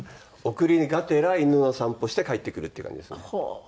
送りがてら犬の散歩して帰ってくるっていう感じですね。